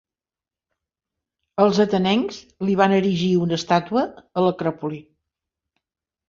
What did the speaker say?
Els atenencs li van erigir una estàtua a l'Acròpoli.